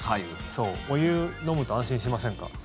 お湯飲むと安心しませんか？